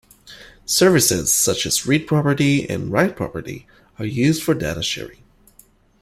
Services such as Read-Property and Write-Property are used for data sharing.